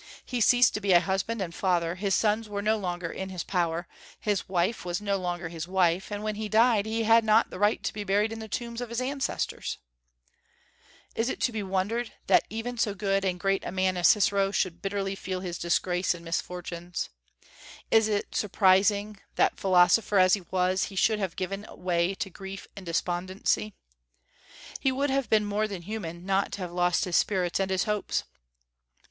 He ceased to be a husband and father; his sons were no longer in his power, his wife was no longer his wife, and when he died he had not the right to be buried in the tombs of his ancestors." [Footnote 4: Coulanges: Ancient City.] Is it to be wondered at that even so good and great a man as Cicero should bitterly feel his disgrace and misfortunes? Is it surprising that, philosopher as he was, he should have given way to grief and despondency. He would have been more than human not to have lost his spirits and his hopes.